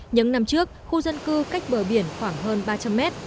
những năm trước khu dân cư cách bờ biển khoảng hơn ba trăm linh mét